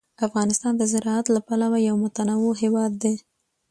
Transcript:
افغانستان د زراعت له پلوه یو متنوع هېواد دی.